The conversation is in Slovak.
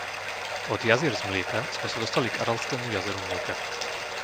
Od jazier z mlieka sme sa dostali k Aralskému jazeru mlieka.